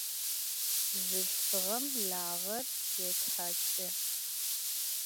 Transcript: Bzılhfığem lağer yêthaç'ı.